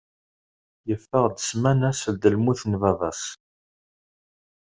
Yeffeɣ-d ssmana seld lmut n baba-s.